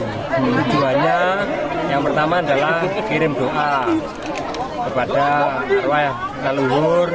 penujuannya yang pertama adalah kirim doa kepada warga leluhur